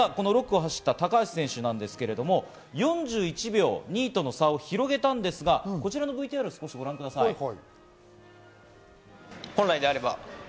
６区を走った高橋選手ですけれど、４１秒、２位との差を広げたんですが、こちらのＶＴＲをご覧ください。